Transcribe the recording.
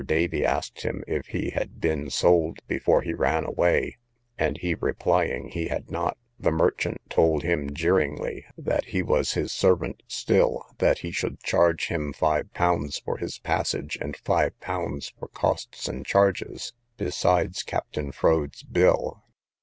Davy asked him, if he had been sold before he ran away; and he replying he had not, the merchant told him jeeringly, that he was his servant still, that he should charge him five pounds for his passage, and five pounds for costs and charges, besides Captain Froade's bill.